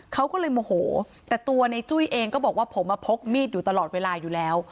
เขาก็เลยโมโหแต่ตัวในจุ้ยเองก็บอกว่าผมมาพกมีดอยู่ตลอดเวลาอยู่แล้ว